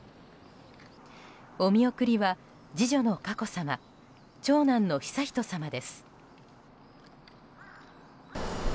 お見送りは次女の佳子さま長男の悠仁さまです。